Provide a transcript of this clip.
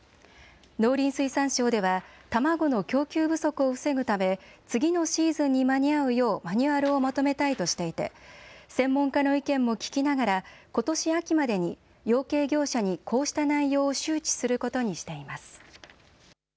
農林水産省では、卵の供給不足を防ぐため、次のシーズンに間に合うようマニュアルをまとめたいとしていて、専門家の意見も聞きながら、ことし秋までに養鶏業者にこうした内容を周知することにしています。